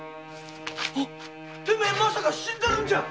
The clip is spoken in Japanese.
テメェまさか死んでるんじゃ